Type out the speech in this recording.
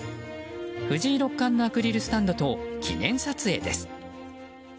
藤井六冠のアクリルスタンドと記念撮影です。